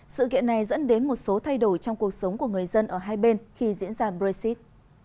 sự kiện này dẫn đến một số thay đổi trong cuộc sống của người dân ở hai bên khi diễn ra brexit